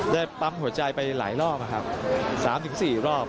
ได้ปั๊มหัวใจไปหลายรอบนะครับสามถึงสี่รอบ